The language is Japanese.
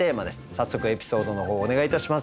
早速エピソードの方お願いいたします。